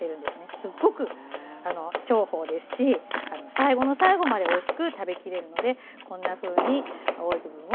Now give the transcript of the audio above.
すっごく重宝ですし最後の最後までおいしく食べきれるのでこんなふうに青い部分を小口切りにします。